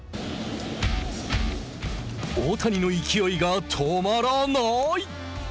大谷の勢いが止まらない。